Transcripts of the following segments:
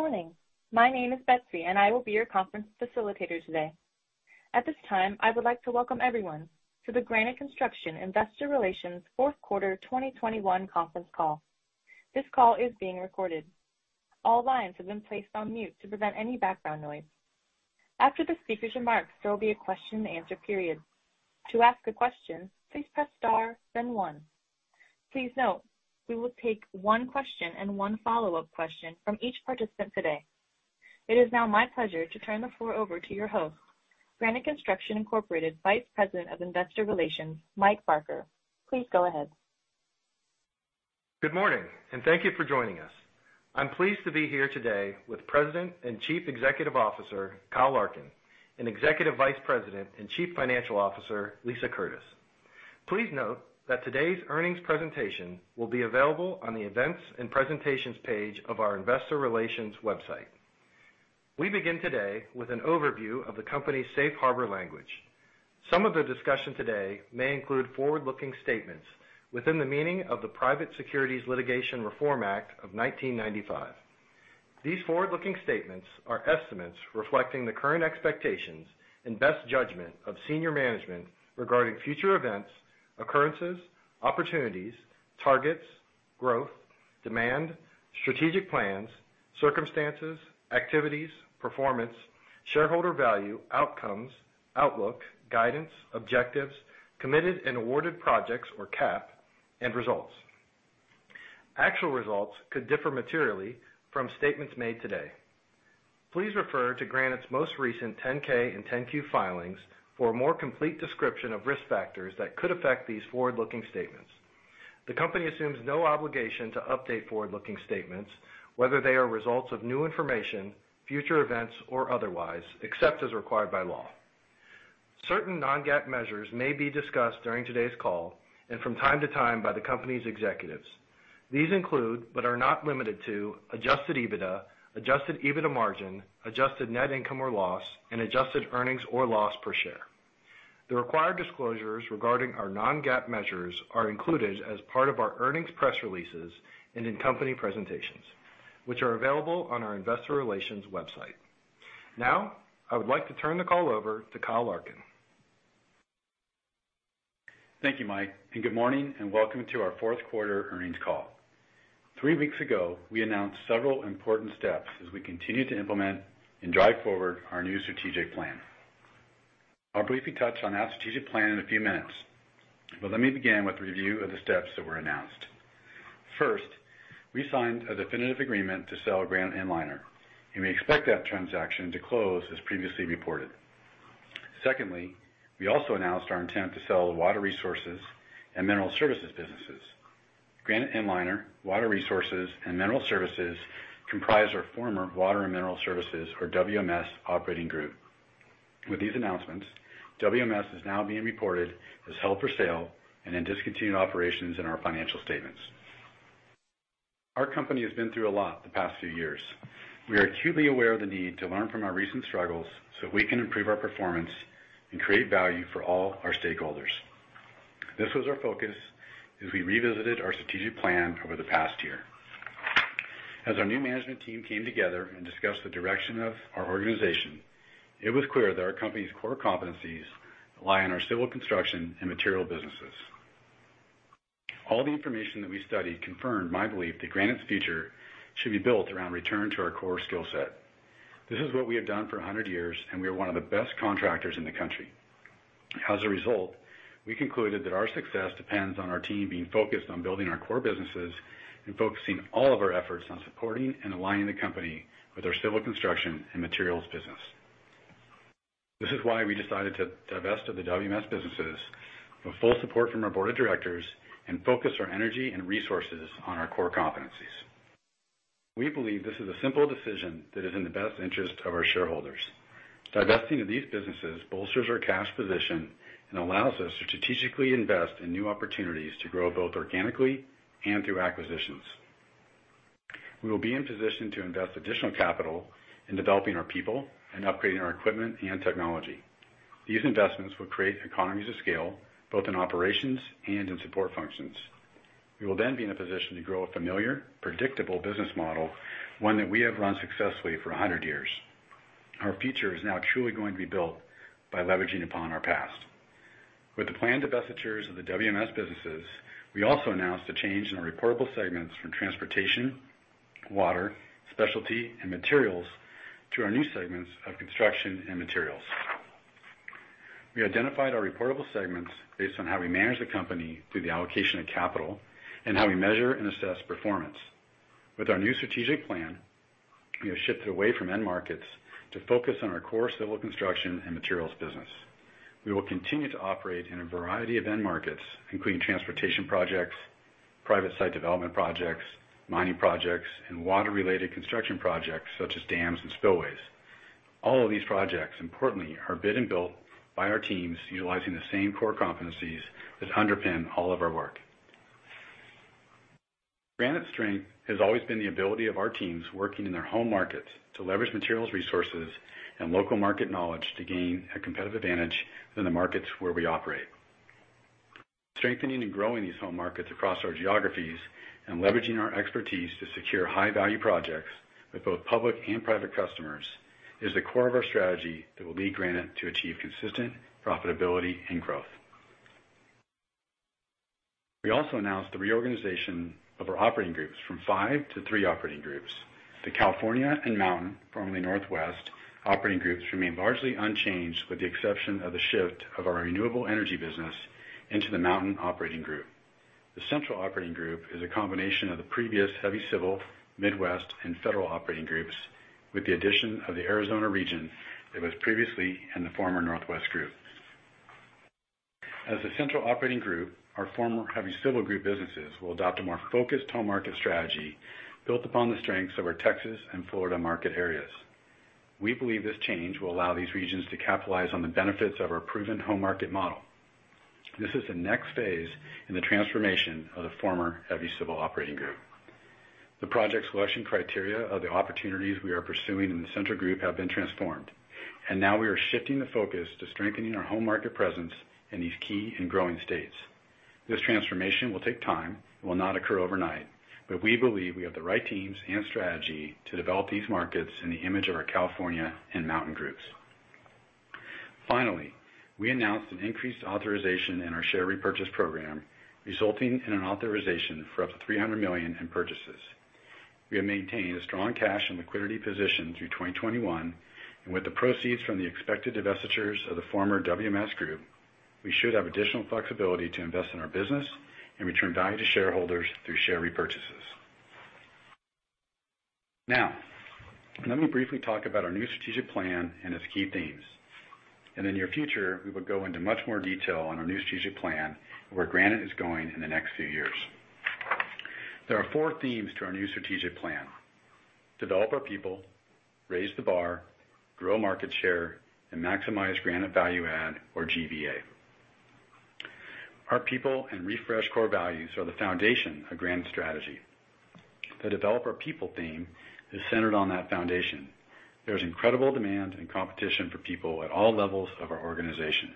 Good morning. My name is Betsy, and I will be your conference facilitator today. At this time, I would like to welcome everyone to the Granite Construction Investor Relations Fourth Quarter 2021 conference call. This call is being recorded. All lines have been placed on mute to prevent any background noise. After the speaker's remarks, there will be a question-and-answer period. To ask a question, please press star, then one. Please note, we will take one question and one follow-up question from each participant today. It is now my pleasure to turn the floor over to your host, Granite Construction Incorporated Vice President of Investor Relations, Mike Barker. Please go ahead. Good morning, and thank you for joining us. I'm pleased to be here today with President and Chief Executive Officer Kyle Larkin, and Executive Vice President and Chief Financial Officer Lisa Curtis. Please note that today's earnings presentation will be available on the Events and Presentations page of our Investor Relations website. We begin today with an overview of the company's Safe Harbor language. Some of the discussion today may include forward-looking statements within the meaning of the Private Securities Litigation Reform Act of 1995. These forward-looking statements are estimates reflecting the current expectations and best judgment of senior management regarding future events, occurrences, opportunities, targets, growth, demand, strategic plans, circumstances, activities, performance, shareholder value, outcomes, outlook, guidance, objectives, committed and awarded projects, or CAP, and results. Actual results could differ materially from statements made today. Please refer to Granite's most recent 10-K and 10-Q filings for a more complete description of risk factors that could affect these forward-looking statements. The company assumes no obligation to update forward-looking statements, whether they are results of new information, future events, or otherwise, except as required by law. Certain non-GAAP measures may be discussed during today's call and from time to time by the company's executives. These include, but are not limited to, adjusted EBITDA, adjusted EBITDA margin, adjusted net income or loss, and adjusted earnings or loss per share. The required disclosures regarding our non-GAAP measures are included as part of our earnings press releases and in company presentations, which are available on our Investor Relations website. Now, I would like to turn the call over to Kyle Larkin. Thank you, Mike, and good morning and welcome to our Fourth Quarter earnings call. Three weeks ago, we announced several important steps as we continue to implement and drive forward our new strategic plan. I'll briefly touch on our strategic plan in a few minutes, but let me begin with a review of the steps that were announced. First, we signed a definitive agreement to sell Granite Inliner, and we expect that transaction to close as previously reported. Secondly, we also announced our intent to sell the Water Resources and Mineral Services businesses. Granite Inliner, Water Resources, and Mineral Services comprise our former Water and Mineral Services, or WMS Operating Group. With these announcements, WMS is now being reported as held for sale and in discontinued operations in our financial statements. Our company has been through a lot the past few years. We are acutely aware of the need to learn from our recent struggles so we can improve our performance and create value for all our stakeholders. This was our focus as we revisited our strategic plan over the past year. As our new management team came together and discussed the direction of our organization, it was clear that our company's core competencies lie in our civil construction and material businesses. All the information that we studied confirmed my belief that Granite's future should be built around return to our core skill set. This is what we have done for 100 years, and we are one of the best contractors in the country. As a result, we concluded that our success depends on our team being focused on building our core businesses and focusing all of our efforts on supporting and aligning the company with our civil construction and materials business. This is why we decided to divest of the WMS businesses with full support from our board of directors and focus our energy and resources on our core competencies. We believe this is a simple decision that is in the best interest of our shareholders. Divesting of these businesses bolsters our cash position and allows us to strategically invest in new opportunities to grow both organically and through acquisitions. We will be in position to invest additional capital in developing our people and upgrading our equipment and technology. These investments will create economies of scale both in operations and in support functions. We will then be in a position to grow a familiar, predictable business model, one that we have run successfully for 100 years. Our future is now truly going to be built by leveraging upon our past. With the planned divestitures of the WMS businesses, we also announced a change in our reportable segments from transportation, water, specialty, and materials to our new segments of construction and materials. We identified our reportable segments based on how we manage the company through the allocation of capital and how we measure and assess performance. With our new strategic plan, we have shifted away from end markets to focus on our core civil construction and materials business. We will continue to operate in a variety of end markets, including transportation projects, private site development projects, mining projects, and water-related construction projects such as dams and spillways. All of these projects, importantly, are bid and built by our teams utilizing the same core competencies that underpin all of our work. Granite's strength has always been the ability of our teams working in their home markets to leverage materials resources and local market knowledge to gain a competitive advantage in the markets where we operate. Strengthening and growing these home markets across our geographies and leveraging our expertise to secure high-value projects with both public and private customers is the core of our strategy that will lead Granite to achieve consistent profitability and growth. We also announced the reorganization of our operating groups from five to three operating groups. The California and Mountain, formerly Northwest, Operating Groups remain largely unchanged with the exception of the shift of our renewable energy business into the Mountain Operating Group. The Central Operating Group is a combination of the previous Heavy Civil, Midwest, and Federal Operating Groups with the addition of the Arizona region that was previously in the former Northwest group. As the Central Operating Group, our former Heavy Civil Group businesses will adopt a more focused home market strategy built upon the strengths of our Texas and Florida market areas. We believe this change will allow these regions to capitalize on the benefits of our proven home market model. This is the next phase in the transformation of the former Heavy Civil Operating Group. The project selection criteria of the opportunities we are pursuing in the Central Group have been transformed, and now we are shifting the focus to strengthening our home market presence in these key and growing states. This transformation will take time and will not occur overnight, but we believe we have the right teams and strategy to develop these markets in the image of our California and Mountain Groups. Finally, we announced an increased authorization in our share repurchase program, resulting in an authorization for up to $300 million in purchases. We have maintained a strong cash and liquidity position through 2021, and with the proceeds from the expected divestitures of the former WMS Group, we should have additional flexibility to invest in our business and return value to shareholders through share repurchases. Now, let me briefly talk about our new strategic plan and its key themes. In the future, we will go into much more detail on our new strategic plan and where Granite is going in the next few years. There are four themes to our new strategic plan: develop our people, raise the bar, grow market share, and maximize Granite Value Add, or GVA. Our people and refresh core values are the foundation of Granite's strategy. The Develop Our People theme is centered on that foundation. There is incredible demand and competition for people at all levels of our organization.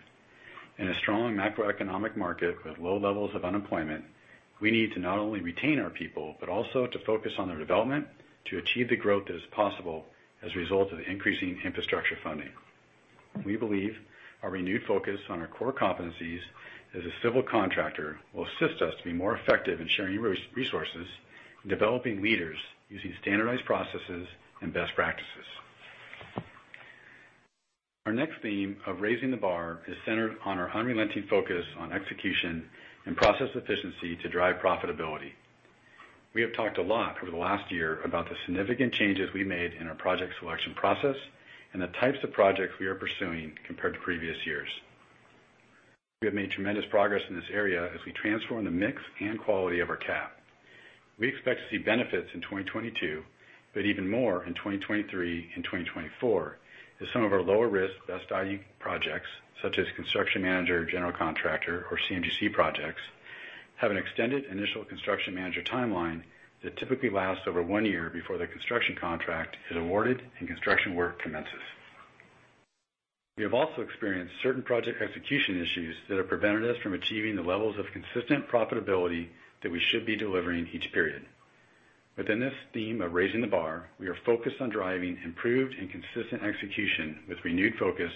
In a strong macroeconomic market with low levels of unemployment, we need to not only retain our people but also to focus on their development to achieve the growth that is possible as a result of increasing infrastructure funding. We believe our renewed focus on our core competencies as a civil contractor will assist us to be more effective in sharing resources and developing leaders using standardized processes and best practices. Our next theme of Raising the Bar is centered on our unrelenting focus on execution and process efficiency to drive profitability. We have talked a lot over the last year about the significant changes we made in our project selection process and the types of projects we are pursuing compared to previous years. We have made tremendous progress in this area as we transform the mix and quality of our CAP. We expect to see benefits in 2022, but even more in 2023 and 2024, as some of our lower-risk Best-Value projects, such as Construction Manager/General Contractor, or CM/GC projects, have an extended initial construction manager timeline that typically lasts over one year before the construction contract is awarded and construction work commences. We have also experienced certain project execution issues that have prevented us from achieving the levels of consistent profitability that we should be delivering each period. Within this theme of raising the bar, we are focused on driving improved and consistent execution with renewed focus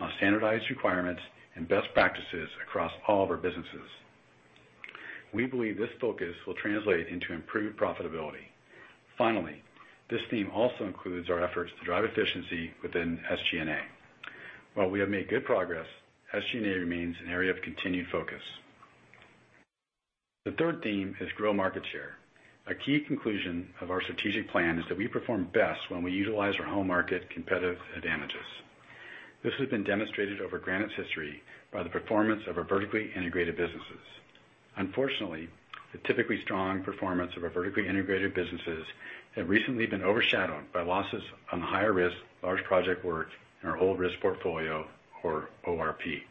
on standardized requirements and best practices across all of our businesses. We believe this focus will translate into improved profitability. Finally, this theme also includes our efforts to drive efficiency within SG&A. While we have made good progress, SG&A remains an area of continued focus. The third theme is grow market share. A key conclusion of our strategic plan is that we perform best when we utilize our home market competitive advantages. This has been demonstrated over Granite's history by the performance of our vertically integrated businesses. Unfortunately, the typically strong performance of our vertically integrated businesses has recently been overshadowed by losses on the higher-risk large project work in our Old Risk Portfolio, or ORP.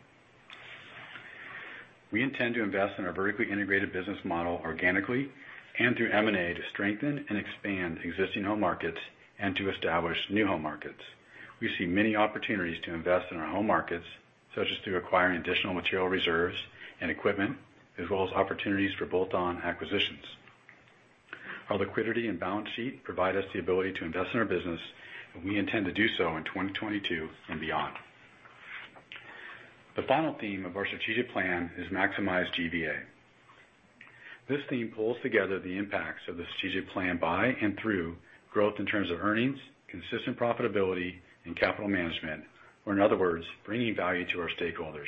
We intend to invest in our vertically integrated business model organically and through M&A to strengthen and expand existing home markets and to establish new home markets. We see many opportunities to invest in our home markets, such as through acquiring additional material reserves and equipment, as well as opportunities for bolt-on acquisitions. Our liquidity and balance sheet provide us the ability to invest in our business, and we intend to do so in 2022 and beyond. The final theme of our strategic plan is maximize GVA. This theme pulls together the impacts of the strategic plan by and through growth in terms of earnings, consistent profitability, and capital management, or in other words, bringing value to our stakeholders.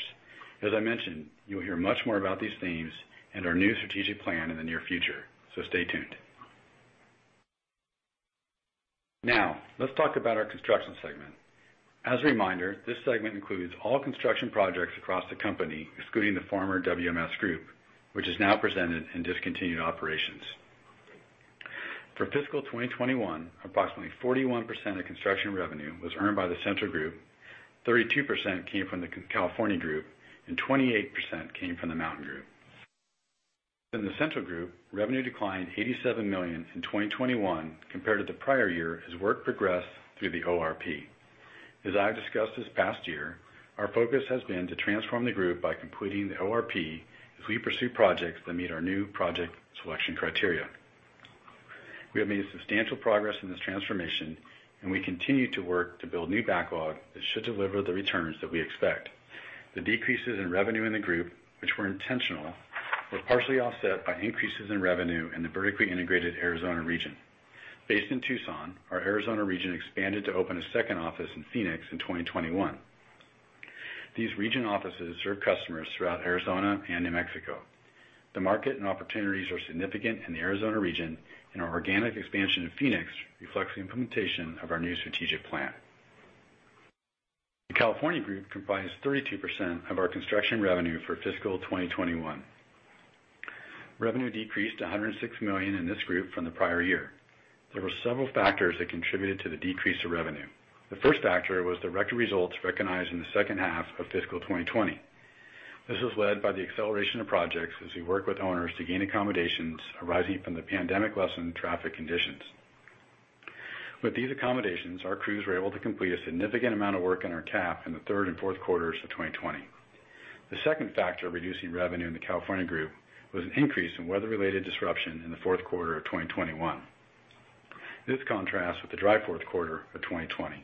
As I mentioned, you'll hear much more about these themes and our new strategic plan in the near future, so stay tuned. Now, let's talk about our Construction Segment. As a reminder, this segment includes all construction projects across the company, excluding the former WMS Group, which is now presented in discontinued operations. For fiscal 2021, approximately 41% of construction revenue was earned by the Central Group, 32% came from the California Group, and 28% came from the Mountain Group. In the Central Group, revenue declined $87 million in 2021 compared to the prior year as work progressed through the ORP. As I've discussed this past year, our focus has been to transform the group by completing the ORP as we pursue projects that meet our new project selection criteria. We have made substantial progress in this transformation, and we continue to work to build new backlog that should deliver the returns that we expect. The decreases in revenue in the group, which were intentional, were partially offset by increases in revenue in the vertically integrated Arizona region. Based in Tucson, our Arizona region expanded to open a second office in Phoenix in 2021. These region offices serve customers throughout Arizona and New Mexico. The market and opportunities are significant in the Arizona region, and our organic expansion in Phoenix reflects the implementation of our new strategic plan. The California Group comprises 32% of our construction revenue for fiscal 2021. Revenue decreased to $106 million in this group from the prior year. There were several factors that contributed to the decrease of revenue. The first factor was the record results recognized in the second half of fiscal 2020. This was led by the acceleration of projects as we worked with owners to gain accommodations arising from the pandemic less traffic conditions. With these accommodations, our crews were able to complete a significant amount of work in our CAP in the third and fourth quarters of 2020. The second factor reducing revenue in the California Group was an increase in weather-related disruption in the fourth quarter of 2021. This contrasts with the dry fourth quarter of 2020.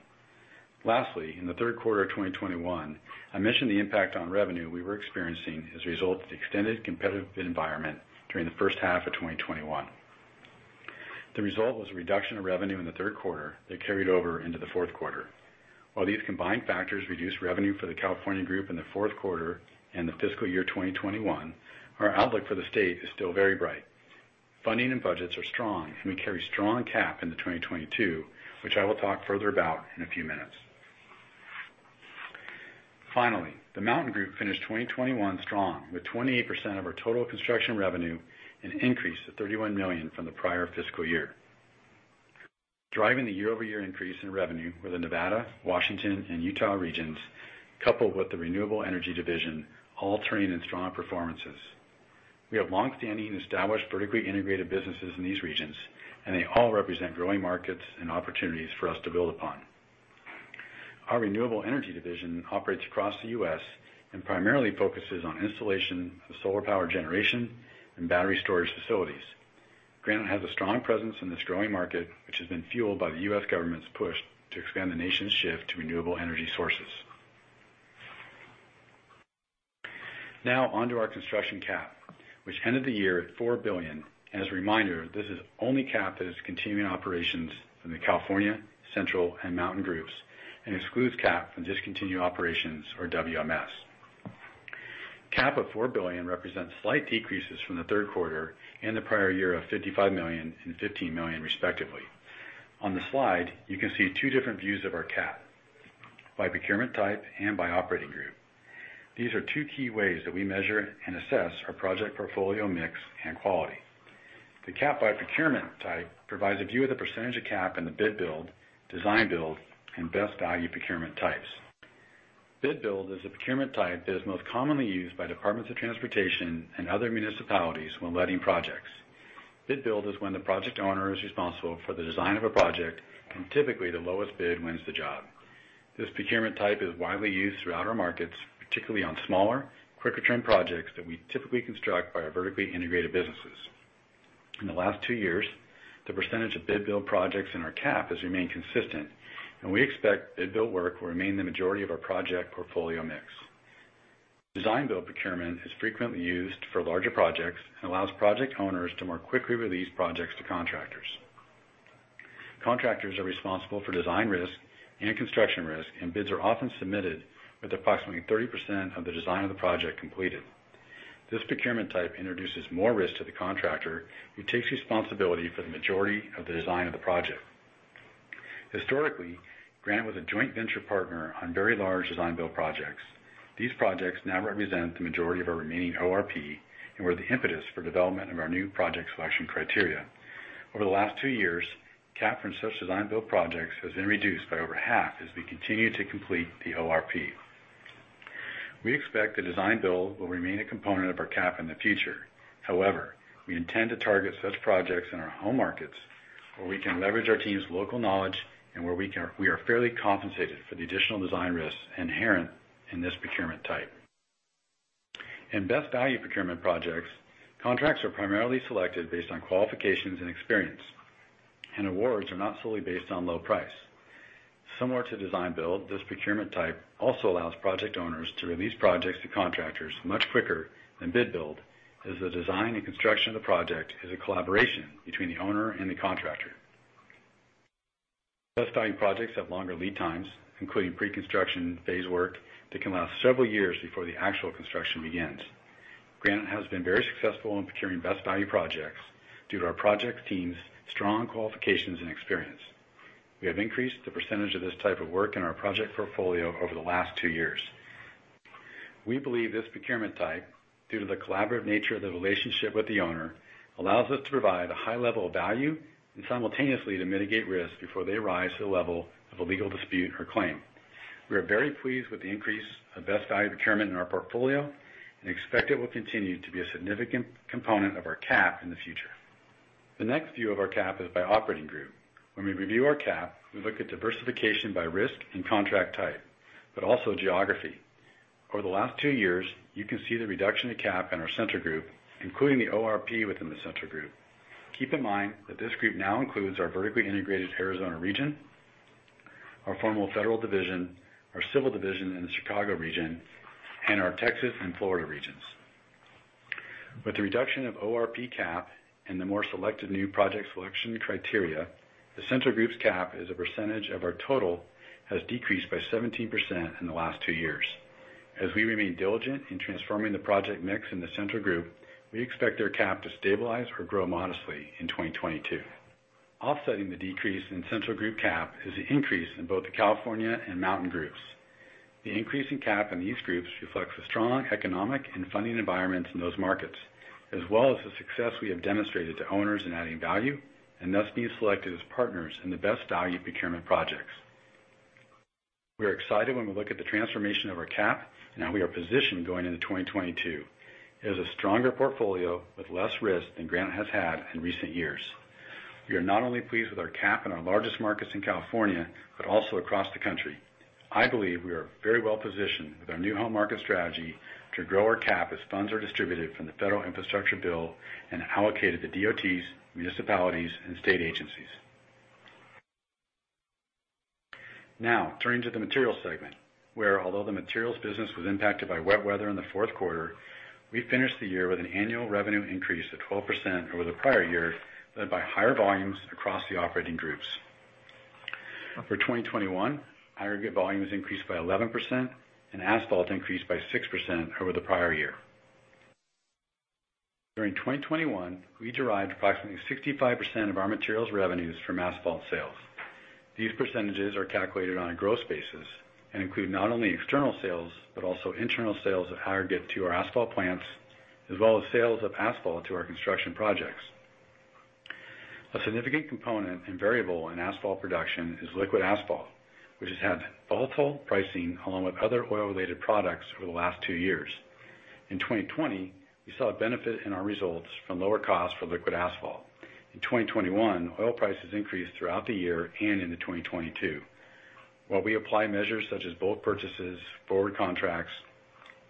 Lastly, in the third quarter of 2021, I mentioned the impact on revenue we were experiencing as a result of the extended competitive environment during the first half of 2021. The result was a reduction of revenue in the third quarter that carried over into the fourth quarter. While these combined factors reduced revenue for the California Group in the fourth quarter and the fiscal year 2021, our outlook for the state is still very bright. Funding and budgets are strong, and we carry strong CAP into 2022, which I will talk further about in a few minutes. Finally, the Mountain Group finished 2021 strong with 28% of our total construction revenue and an increase of $31 million from the prior fiscal year. Driving the year-over-year increase in revenue were the Nevada, Washington, and Utah regions, coupled with the Renewable Energy Division, all turning in strong performances. We have long-standing established vertically integrated businesses in these regions, and they all represent growing markets and opportunities for us to build upon. Our Renewable Energy Division operates across the U.S. and primarily focuses on installation of solar power generation and battery storage facilities. Granite has a strong presence in this growing market, which has been fueled by the U.S. government's push to expand the nation's shift to renewable energy sources. Now, on to our construction CAP, which ended the year at $4 billion. As a reminder, this is only CAP that is continuing operations in the California, Central, and Mountain Groups and excludes CAP from discontinued operations, or WMS. CAP of $4 billion represents slight decreases from the third quarter and the prior year of $55 million and $15 million, respectively. On the slide, you can see two different views of our CAP: by procurement type and by operating group. These are two key ways that we measure and assess our project portfolio mix and quality. The CAP by procurement type provides a view of the percentage of CAP in the Bid-Build, Design-Build, and Best-Value procurement types. Bid-Build is a procurement type that is most commonly used by departments of transportation and other municipalities when letting projects. Bid-Build is when the project owner is responsible for the design of a project, and typically, the lowest bid wins the job. This procurement type is widely used throughout our markets, particularly on smaller, quicker-term projects that we typically construct by our vertically integrated businesses. In the last two years, the percentage of Bid-Build projects in our CAP has remained consistent, and we expect Bid-Build work will remain the majority of our project portfolio mix. Design-Build procurement is frequently used for larger projects and allows project owners to more quickly release projects to contractors. Contractors are responsible for design risk and construction risk, and bids are often submitted with approximately 30% of the design of the project completed. This procurement type introduces more risk to the contractor, who takes responsibility for the majority of the design of the project. Historically, Granite was a joint venture partner on very large Design-Build projects. These projects now represent the majority of our remaining ORP and were the impetus for development of our new project selection criteria. Over the last two years, CAP from such Design-Build projects has been reduced by over half as we continue to complete the ORP. We expect the Design-Build will remain a component of our CAP in the future. However, we intend to target such projects in our home markets, where we can leverage our team's local knowledge and where we are fairly compensated for the additional design risks inherent in this procurement type. In Best-Value procurement projects, contracts are primarily selected based on qualifications and experience, and awards are not solely based on low price. Similar to Design-Build, this procurement type also allows project owners to release projects to contractors much quicker than Bid-Build, as the design and construction of the project is a collaboration between the owner and the contractor. Best-Value projects have longer lead times, including pre-construction phase work that can last several years before the actual construction begins. Granite has been very successful in procuring Best-Value projects due to our project team's strong qualifications and experience. We have increased the percentage of this type of work in our project portfolio over the last two years. We believe this procurement type, due to the collaborative nature of the relationship with the owner, allows us to provide a high level of value and simultaneously to mitigate risk before they rise to the level of a legal dispute or claim. We are very pleased with the increase of Best-Value procurement in our portfolio and expect it will continue to be a significant component of our CAP in the future. The next view of our CAP is by operating group. When we review our CAP, we look at diversification by risk and contract type, but also geography. Over the last two years, you can see the reduction of CAP in our Central Group, including the ORP within the Central Group. Keep in mind that this group now includes our vertically integrated Arizona region, our former Federal Division, our Civil Division in the Chicago region, and our Texas and Florida regions. With the reduction of ORP CAP and the more selected new project selection criteria, the Central Group's CAP as a percentage of our total has decreased by 17% in the last two years. As we remain diligent in transforming the project mix in the Central Group, we expect their CAP to stabilize or grow modestly in 2022. Offsetting the decrease in Central Group CAP is the increase in both the California and Mountain Groups. The increase in CAP in these groups reflects the strong economic and funding environments in those markets, as well as the success we have demonstrated to owners in adding value and thus being selected as partners in the Best-Value procurement projects. We are excited when we look at the transformation of our CAP and how we are positioned going into 2022. It is a stronger portfolio with less risk than Granite has had in recent years. We are not only pleased with our CAP in our largest markets in California but also across the country. I believe we are very well positioned with our new home market strategy to grow our CAP as funds are distributed from the federal infrastructure bill and allocated to DOTs, municipalities, and state agencies. Now, turning to the Materials Segment, where, although the materials business was impacted by wet weather in the fourth quarter, we finished the year with an annual revenue increase of 12% over the prior year led by higher volumes across the operating groups. For 2021, aggregate volume was increased by 11% and asphalt increased by 6% over the prior year. During 2021, we derived approximately 65% of our materials revenues from asphalt sales. These percentages are calculated on a gross basis and include not only external sales but also internal sales of aggregate to our asphalt plants, as well as sales of asphalt to our construction projects. A significant component and variable in asphalt production is liquid asphalt, which has had volatile pricing along with other oil-related products over the last two years. In 2020, we saw a benefit in our results from lower costs for liquid asphalt. In 2021, oil prices increased throughout the year and into 2022. While we apply measures such as bulk purchases, forward contracts,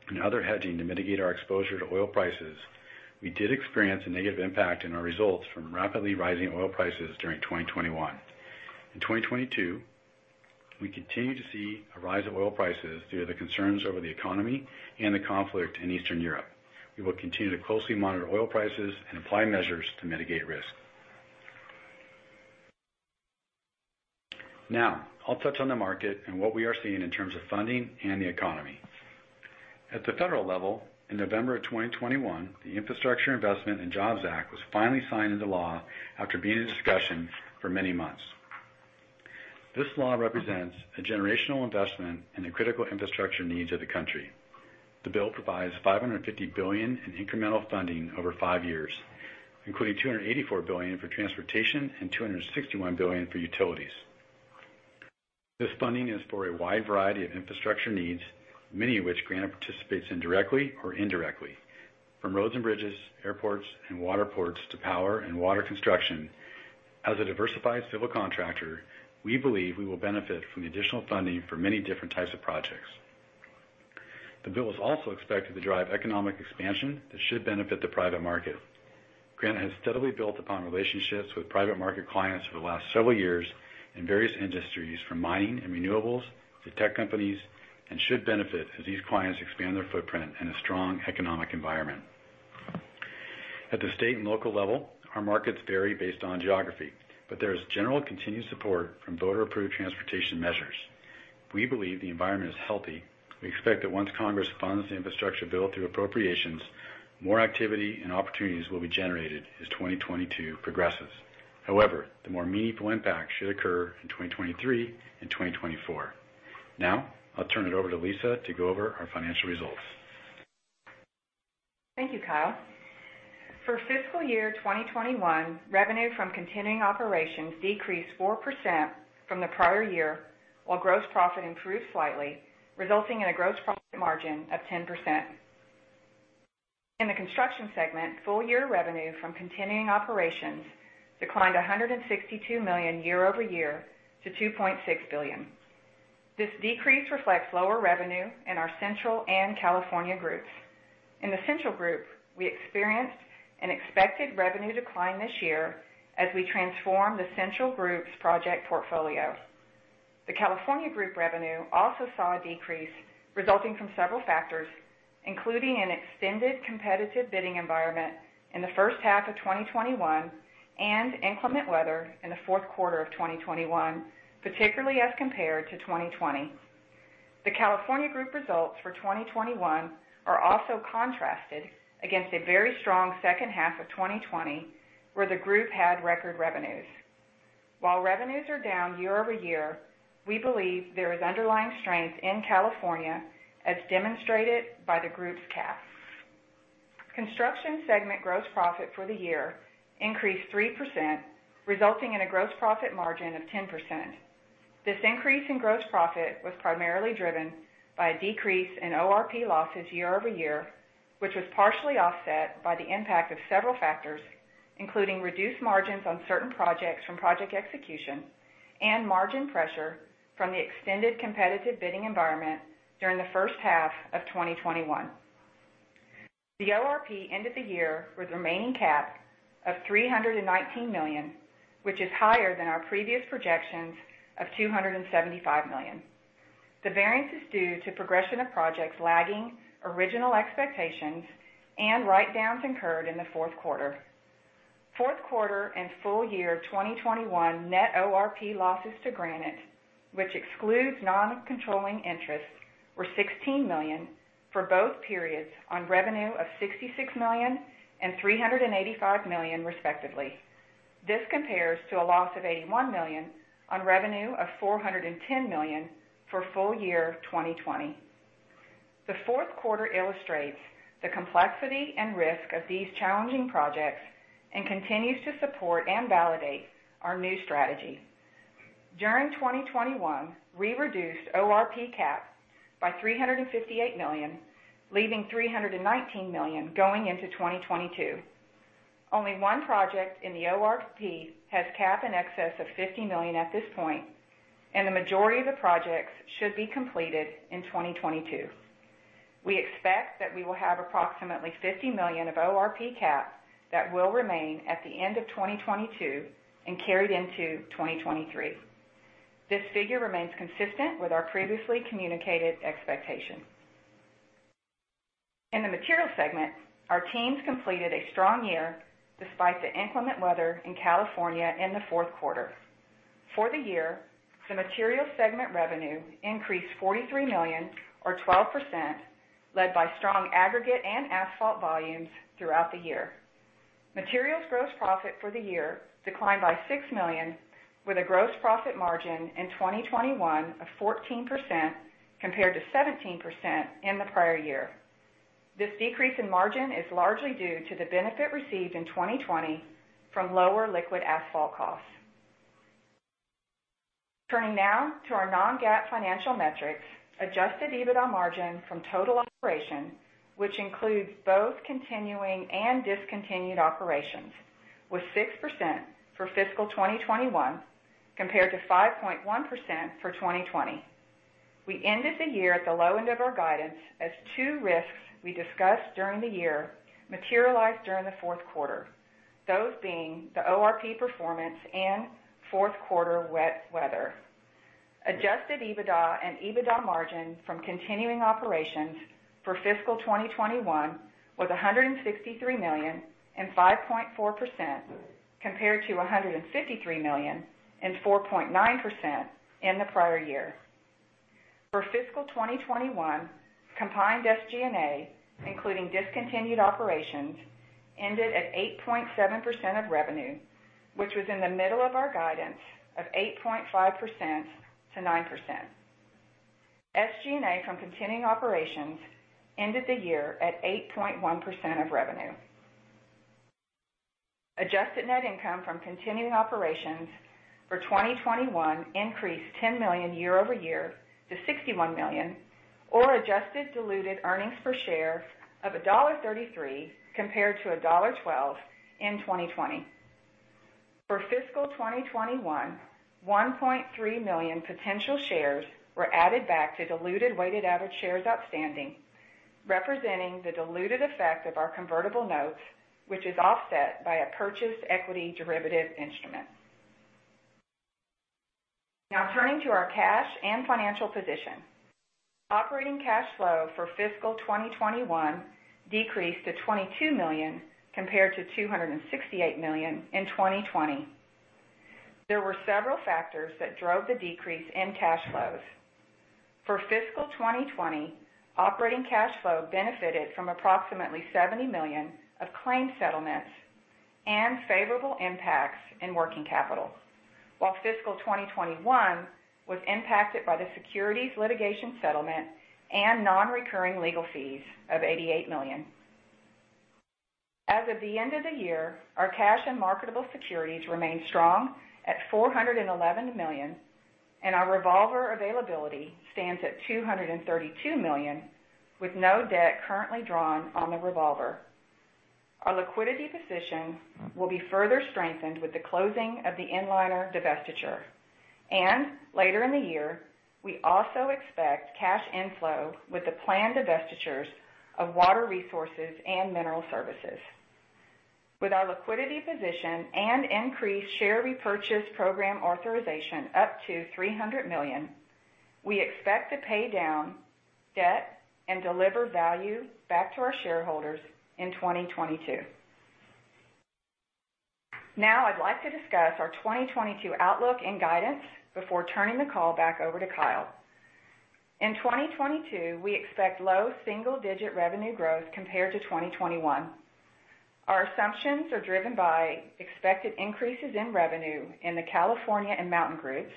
and other hedging to mitigate our exposure to oil prices, we did experience a negative impact in our results from rapidly rising oil prices during 2021. In 2022, we continue to see a rise in oil prices due to the concerns over the economy and the conflict in Eastern Europe. We will continue to closely monitor oil prices and apply measures to mitigate risk. Now, I'll touch on the market and what we are seeing in terms of funding and the economy. At the federal level, in November of 2021, the Infrastructure Investment and Jobs Act was finally signed into law after being in discussion for many months. This law represents a generational investment in the critical infrastructure needs of the country. The bill provides $550 billion in incremental funding over five years, including $284 billion for transportation and $261 billion for utilities. This funding is for a wide variety of infrastructure needs, many of which Granite participates in directly or indirectly. From roads and bridges, airports, and seaports to power and water construction, as a diversified civil contractor, we believe we will benefit from the additional funding for many different types of projects. The bill is also expected to drive economic expansion that should benefit the private market. Granite has steadily built upon relationships with private market clients over the last several years in various industries, from mining and renewables to tech companies, and should benefit as these clients expand their footprint in a strong economic environment. At the state and local level, our markets vary based on geography, but there is general continued support from voter-approved transportation measures. We believe the environment is healthy. We expect that once Congress funds the infrastructure bill through appropriations, more activity and opportunities will be generated as 2022 progresses. However, the more meaningful impact should occur in 2023 and 2024. Now, I'll turn it over to Lisa to go over our financial results. Thank you, Kyle. For fiscal year 2021, revenue from continuing operations decreased 4% from the prior year, while gross profit improved slightly, resulting in a gross profit margin of 10%. In the Construction Segment, full-year revenue from continuing operations declined $162 million year-over-year to $2.6 billion. This decrease reflects lower revenue in our Central and California Groups. In the Central Group, we experienced an expected revenue decline this year as we transformed the Central Group's project portfolio. The California Group revenue also saw a decrease resulting from several factors, including an extended competitive bidding environment in the first half of 2021 and inclement weather in the fourth quarter of 2021, particularly as compared to 2020. The California Group results for 2021 are also contrasted against a very strong second half of 2020, where the group had record revenues. While revenues are down year-over-year, we believe there are underlying strengths in California as demonstrated by the group's CAP. Construction Segment gross profit for the year increased 3%, resulting in a gross profit margin of 10%. This increase in gross profit was primarily driven by a decrease in ORP losses year-over-year, which was partially offset by the impact of several factors, including reduced margins on certain projects from project execution and margin pressure from the extended competitive bidding environment during the first half of 2021. The ORP ended the year with remaining CAP of $319 million, which is higher than our previous projections of $275 million. The variance is due to progression of projects lagging original expectations and write-downs incurred in the fourth quarter. Fourth quarter and full-year 2021 net ORP losses to Granite, which excludes non-controlling interest, were $16 million for both periods on revenue of $66 million and $385 million, respectively. This compares to a loss of $81 million on revenue of $410 million for full-year 2020. The fourth quarter illustrates the complexity and risk of these challenging projects and continues to support and validate our new strategy. During 2021, we reduced ORP CAP by $358 million, leaving $319 million going into 2022. Only one project in the ORP has CAP in excess of $50 million at this point, and the majority of the projects should be completed in 2022. We expect that we will have approximately $50 million of ORP CAP that will remain at the end of 2022 and carried into 2023. This figure remains consistent with our previously communicated expectation. In the Materials Segment, our teams completed a strong year despite the inclement weather in California in the fourth quarter. For the year, the Materials Segment revenue increased $43 million, or 12%, led by strong aggregate and asphalt volumes throughout the year. Materials gross profit for the year declined by $6 million, with a gross profit margin in 2021 of 14% compared to 17% in the prior year. This decrease in margin is largely due to the benefit received in 2020 from lower liquid asphalt costs. Turning now to our non-GAAP financial metrics, Adjusted EBITDA margin from total operation, which includes both continuing and discontinued operations, was 6% for fiscal 2021 compared to 5.1% for 2020. We ended the year at the low end of our guidance as two risks we discussed during the year materialized during the fourth quarter, those being the ORP performance and fourth quarter wet weather. Adjusted EBITDA and EBITDA margin from continuing operations for fiscal 2021 was $163 million and 5.4% compared to $153 million and 4.9% in the prior year. For fiscal 2021, combined SG&A, including discontinued operations, ended at 8.7% of revenue, which was in the middle of our guidance of 8.5%-9%. SG&A from continuing operations ended the year at 8.1% of revenue. Adjusted net income from continuing operations for 2021 increased $10 million year-over-year to $61 million, or adjusted diluted earnings per share of $1.33 compared to $1.12 in 2020. For fiscal 2021, 1.3 million potential shares were added back to diluted weighted average shares outstanding, representing the diluted effect of our convertible notes, which is offset by a purchased equity derivative instrument. Now, turning to our cash and financial position. Operating cash flow for fiscal 2021 decreased to $22 million compared to $268 million in 2020. There were several factors that drove the decrease in cash flows. For fiscal 2020, operating cash flow benefited from approximately $70 million of claim settlements and favorable impacts in working capital, while fiscal 2021 was impacted by the securities litigation settlement and non-recurring legal fees of $88 million. As of the end of the year, our cash and marketable securities remained strong at $411 million, and our revolver availability stands at $232 million, with no debt currently drawn on the revolver. Our liquidity position will be further strengthened with the closing of the Inliner divestiture. Later in the year, we also expect cash inflow with the planned divestitures of Water Resources and Mineral Services. With our liquidity position and increased share repurchase program authorization up to $300 million, we expect to pay down debt and deliver value back to our shareholders in 2022. Now, I'd like to discuss our 2022 outlook and guidance before turning the call back over to Kyle. In 2022, we expect low single-digit revenue growth compared to 2021. Our assumptions are driven by expected increases in revenue in the California and Mountain Groups,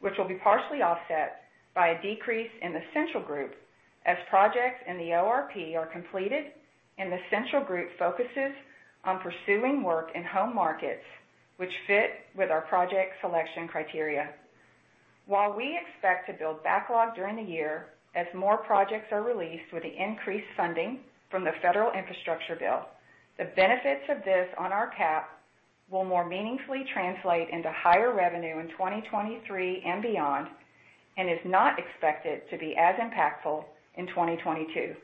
which will be partially offset by a decrease in the Central Group as projects in the ORP are completed and the Central Group focuses on pursuing work in home markets, which fit with our project selection criteria. While we expect to build backlog during the year as more projects are released with the increased funding from the federal infrastructure bill, the benefits of this on our CAP will more meaningfully translate into higher revenue in 2023 and beyond and is not expected to be as impactful in 2022.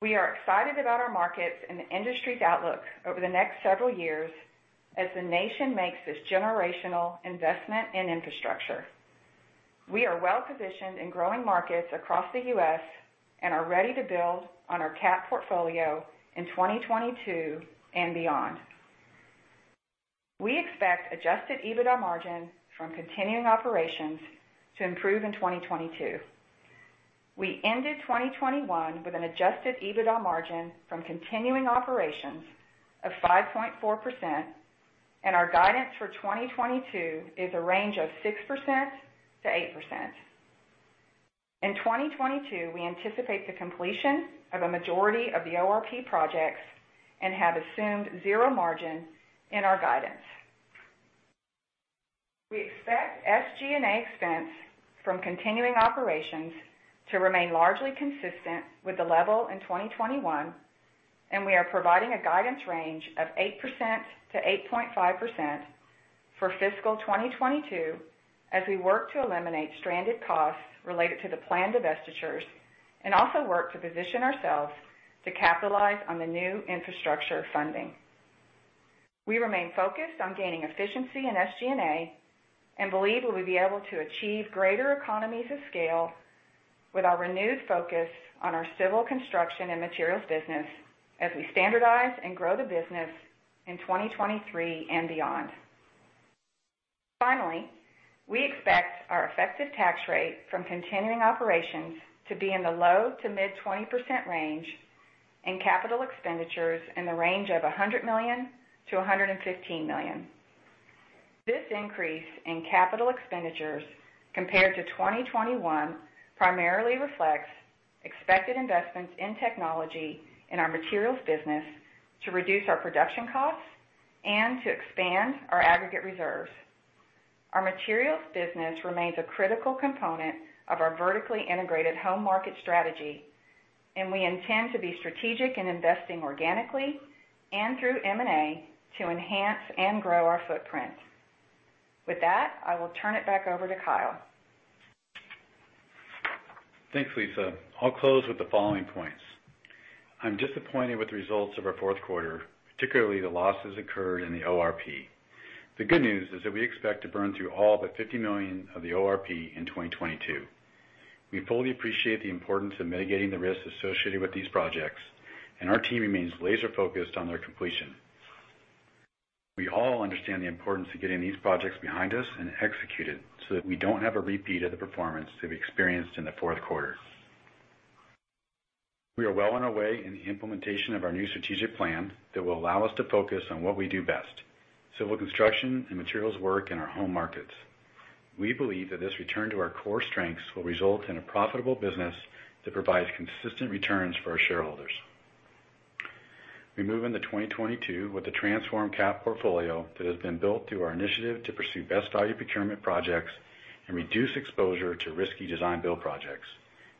We are excited about our markets and the industry's outlook over the next several years as the nation makes this generational investment in infrastructure. We are well-positioned in growing markets across the U.S. and are ready to build on our CAP portfolio in 2022 and beyond. We expect Adjusted EBITDA margin from continuing operations to improve in 2022. We ended 2021 with an Adjusted EBITDA margin from continuing operations of 5.4%, and our guidance for 2022 is a range of 6%-8%. In 2022, we anticipate the completion of a majority of the ORP projects and have assumed zero margin in our guidance. We expect SG&A expense from continuing operations to remain largely consistent with the level in 2021, and we are providing a guidance range of 8%-8.5% for fiscal 2022 as we work to eliminate stranded costs related to the planned divestitures and also work to position ourselves to capitalize on the new infrastructure funding. We remain focused on gaining efficiency in SG&A and believe we will be able to achieve greater economies of scale with our renewed focus on our civil construction and materials business as we standardize and grow the business in 2023 and beyond. Finally, we expect our effective tax rate from continuing operations to be in the low to mid-20% range and capital expenditures in the range of $100 million-$115 million. This increase in capital expenditures compared to 2021 primarily reflects expected investments in technology in our materials business to reduce our production costs and to expand our aggregate reserves. Our materials business remains a critical component of our vertically integrated home market strategy, and we intend to be strategic in investing organically and through M&A to enhance and grow our footprint. With that, I will turn it back over to Kyle. Thanks, Lisa. I'll close with the following points. I'm disappointed with the results of our fourth quarter, particularly the losses incurred in the ORP. The good news is that we expect to burn through all but $50 million of the ORP in 2022. We fully appreciate the importance of mitigating the risks associated with these projects, and our team remains laser-focused on their completion. We all understand the importance of getting these projects behind us and executed so that we don't have a repeat of the performance that we experienced in the fourth quarter. We are well on our way in the implementation of our new strategic plan that will allow us to focus on what we do best: civil construction and materials work in our home markets. We believe that this return to our core strengths will result in a profitable business that provides consistent returns for our shareholders. We move into 2022 with a transformed CAP portfolio that has been built through our initiative to pursue Best-Value procurement projects and reduce exposure to risky Design-Build projects.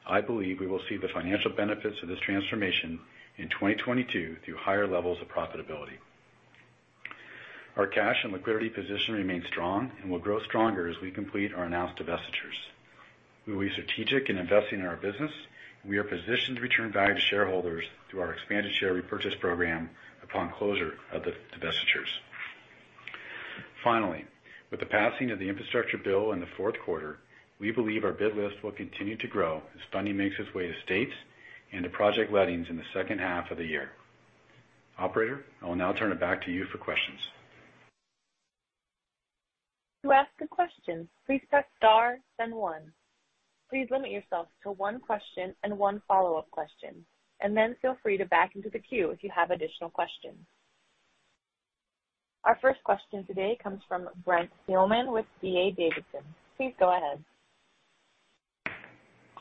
I believe we will see the financial benefits of this transformation in 2022 through higher levels of profitability. Our cash and liquidity position remains strong and will grow stronger as we complete our announced divestitures. With strategic investing in our business, we are positioned to return value to shareholders through our expanded share repurchase program upon closure of the divestitures. Finally, with the passing of the infrastructure bill in the fourth quarter, we believe our bid list will continue to grow as funding makes its way to states and to project lettings in the second half of the year. Operator, I will now turn it back to you for questions. To ask a question, please press star, then one. Please limit yourself to one question and one follow-up question, and then feel free to back into the queue if you have additional questions. Our first question today comes from Brent Thielman with D.A. Davidson. Please go ahead.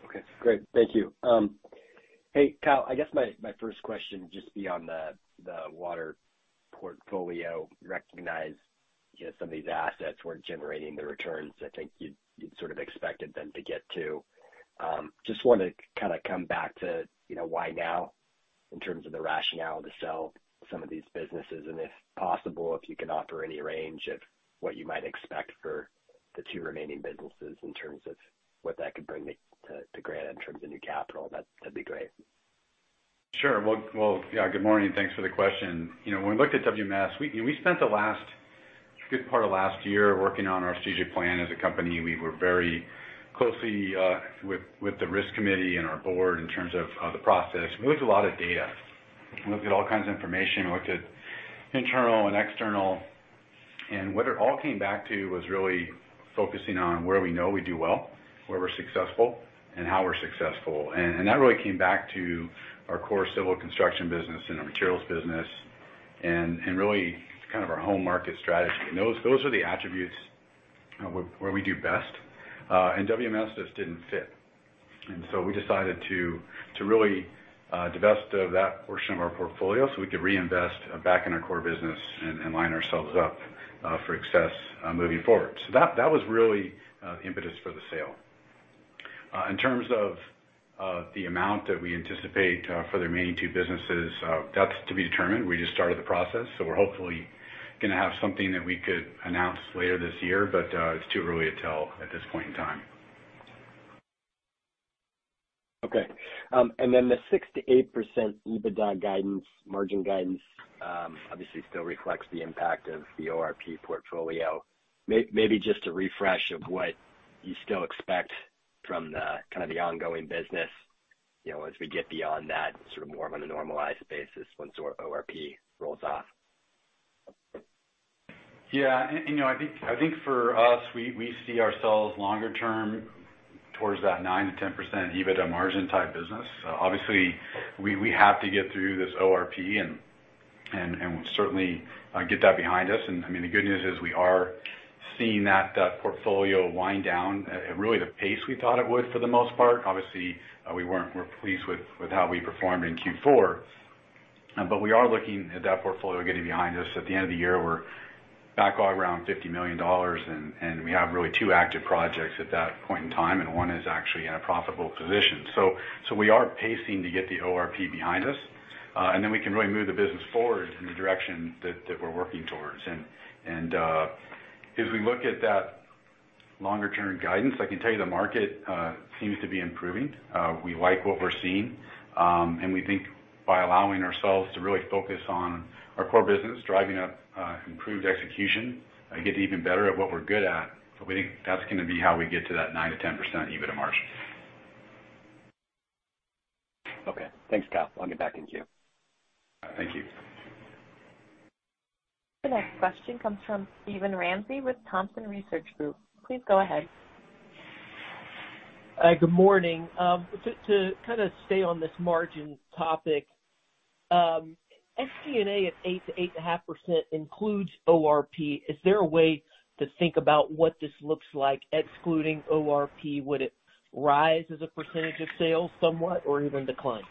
Okay. Great. Thank you. Hey, Kyle, I guess my first question would just be on the water portfolio. You recognize some of these assets weren't generating the returns I think you'd sort of expected them to get to. Just wanted to kind of come back to why now in terms of the rationale to sell some of these businesses, and if possible, if you can offer any range of what you might expect for the two remaining businesses in terms of what that could bring to Granite in terms of new capital, that'd be great. Sure. Well, yeah, good morning. Thanks for the question. When we looked at WMS, we spent the last good part of last year working on our strategic plan as a company. We were very close with the risk committee and our board in terms of the process. We looked at a lot of data. We looked at all kinds of information. We looked at internal and external. And what it all came back to was really focusing on where we know we do well, where we're successful, and how we're successful. And that really came back to our core civil construction business and our materials business and really kind of our home market strategy. And those are the attributes where we do best. And WMS just didn't fit. And so we decided to really divest of that portion of our portfolio so we could reinvest back in our core business and line ourselves up for success moving forward. So that was really the impetus for the sale. In terms of the amount that we anticipate for the remaining two businesses, that's to be determined. We just started the process, so we're hopefully going to have something that we could announce later this year, but it's too early to tell at this point in time. Okay. And then the 6%-8% EBITDA guidance, margin guidance, obviously still reflects the impact of the ORP portfolio. Maybe just a refresh of what you still expect from kind of the ongoing business as we get beyond that, sort of more of on a normalized basis once ORP rolls off. Yeah. I think for us, we see ourselves longer term towards that 9%-10% EBITDA margin type business. Obviously, we have to get through this ORP, and we'll certainly get that behind us. And I mean, the good news is we are seeing that portfolio wind down at really the pace we thought it would for the most part. Obviously, we weren't pleased with how we performed in Q4, but we are looking at that portfolio getting behind us. At the end of the year, we're back around $50 million, and we have really 2 active projects at that point in time, and one is actually in a profitable position. So we are pacing to get the ORP behind us, and then we can really move the business forward in the direction that we're working towards. As we look at that longer-term guidance, I can tell you the market seems to be improving. We like what we're seeing, and we think by allowing ourselves to really focus on our core business, driving up improved execution, get even better at what we're good at, we think that's going to be how we get to that 9%-10% EBITDA margin. Okay. Thanks, Kyle. I'll get back in here. Thank you. The next question comes from Steven Ramsey with Thompson Research Group. Please go ahead. Good morning. To kind of stay on this margin topic, SG&A at 8%-8.5% includes ORP. Is there a way to think about what this looks like excluding ORP? Would it rise as a percentage of sales somewhat or even decline?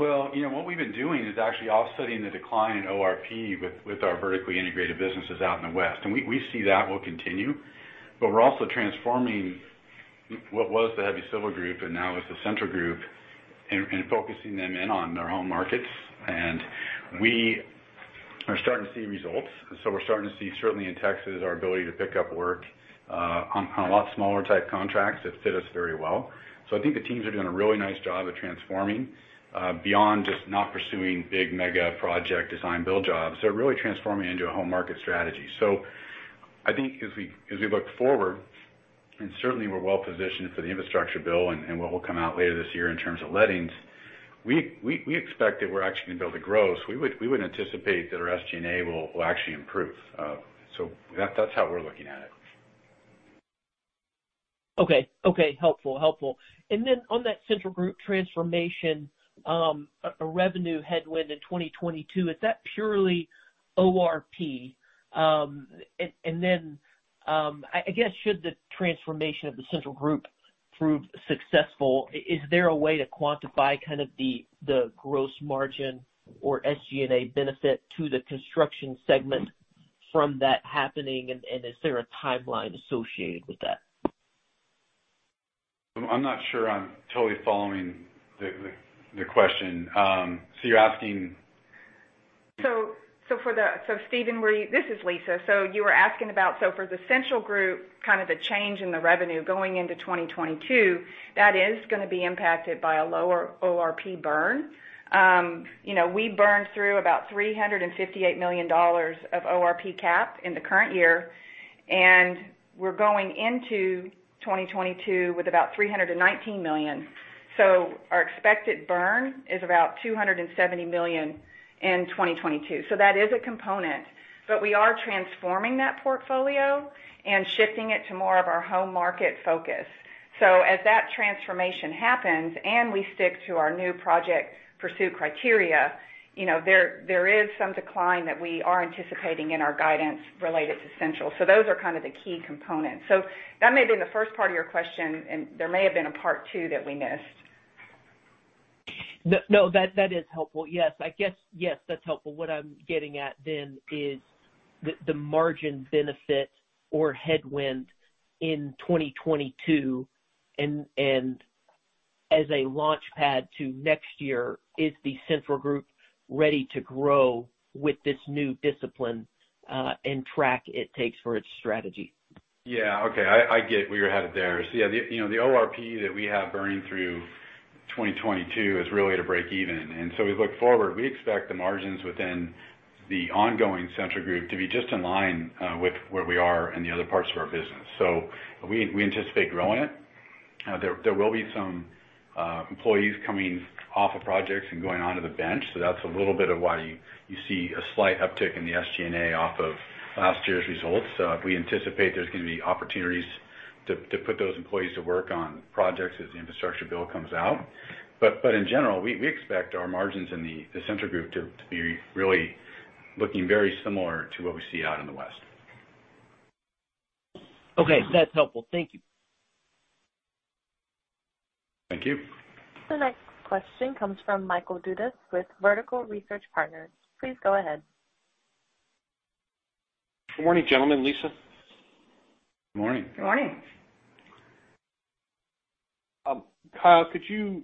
Well, what we've been doing is actually offsetting the decline in ORP with our vertically integrated businesses out in the West. And we see that will continue, but we're also transforming what was the Heavy Civil Group and now is the Central Group and focusing them in on their home markets. And we are starting to see results. And so we're starting to see, certainly in Texas, our ability to pick up work on a lot smaller type contracts that fit us very well. So I think the teams are doing a really nice job of transforming beyond just not pursuing big mega project Design-Build jobs. They're really transforming into a home market strategy. So I think as we look forward, and certainly we're well-positioned for the infrastructure bill and what will come out later this year in terms of lettings, we expect that we're actually going to be able to grow. So we would anticipate that our SG&A will actually improve. So that's how we're looking at it. Okay. Okay. Helpful. Helpful. And then on that Central Group transformation, a revenue headwind in 2022, is that purely ORP? And then I guess should the transformation of the Central Group prove successful, is there a way to quantify kind of the gross margin or SG&A benefit to the Construction Segment from that happening, and is there a timeline associated with that? I'm not sure I'm totally following the question. So you're asking? So Steven, this is Lisa. So you were asking about so for the Central Group, kind of the change in the revenue going into 2022, that is going to be impacted by a lower ORP burn. We burned through about $358 million of ORP CAP in the current year, and we're going into 2022 with about $319 million. So our expected burn is about $270 million in 2022. So that is a component, but we are transforming that portfolio and shifting it to more of our home market focus. So as that transformation happens and we stick to our new project pursuit criteria, there is some decline that we are anticipating in our guidance related to Central. So those are kind of the key components. So that may have been the first part of your question, and there may have been a part two that we missed. No, that is helpful. Yes. I guess, yes, that's helpful. What I'm getting at then is the margin benefit or headwind in 2022, and as a launchpad to next year, is the Central Group ready to grow with this new discipline and track it takes for its strategy? Yeah. Okay. I get where you're headed there. So yeah, the ORP that we have burning through 2022 is really to break even. And so we look forward. We expect the margins within the ongoing Central Group to be just in line with where we are in the other parts of our business. So we anticipate growing it. There will be some employees coming off of projects and going onto the bench. So that's a little bit of why you see a slight uptick in the SG&A off of last year's results. So we anticipate there's going to be opportunities to put those employees to work on projects as the infrastructure bill comes out. But in general, we expect our margins in the Central Group to be really looking very similar to what we see out in the West. Okay. That's helpful. Thank you. Thank you. The next question comes from Michael Dudas with Vertical Research Partners. Please go ahead. Good morning, gentlemen. Lisa. Good morning. Good morning. Kyle, could you